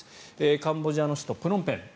カンボジアの首都プノンペン。